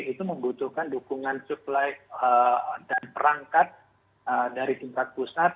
itu membutuhkan dukungan supply dan perangkat dari tingkat pusat